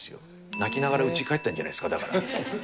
泣きながらうちに帰ったんじゃないですか、だから。